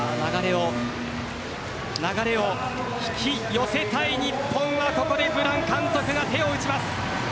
流れを引き寄せたい日本がここでブラン監督が手を打ちます。